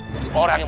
dari orang yang